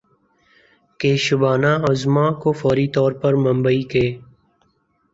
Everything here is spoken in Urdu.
کہ شبانہ اعظمی کو فوری طور پر ممبئی کے